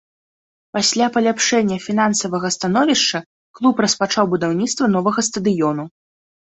Пасля паляпшэння фінансавага становішча клуб распачаў будаўніцтва новага стадыёну.